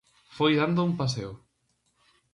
Foi dando un paseo.